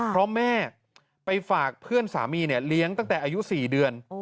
เพราะแม่ไปฝากเพื่อนสามีเลี้ยงตั้งแต่อายุ๔เดือน